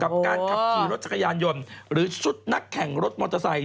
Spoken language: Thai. กับการขับขี่รถจักรยานยนต์หรือชุดนักแข่งรถมอเตอร์ไซค